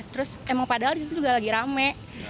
terus emang padahal disitu juga lagi rame